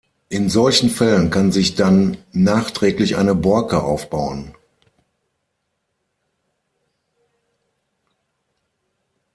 In solchen Fällen kann sich dann nachträglich eine Borke aufbauen.